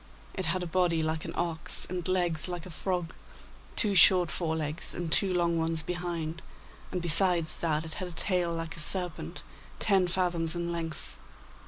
It had a body like an ox, and legs like a frog, two short fore legs, and two long ones behind, and besides that it had a tail like a serpent, ten fathoms in length.